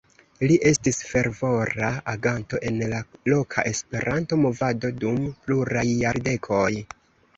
Li estis fervora aganto en la loka Esperanto-movado dum pluraj jardekoj.